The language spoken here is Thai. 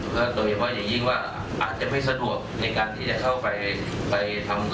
โดยเฉพาะอย่างยิ่งว่าอาจจะไม่สะดวกในการที่จะเข้าไปทำ